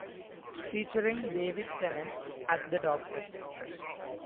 Featuring David Tennant as The Doctor.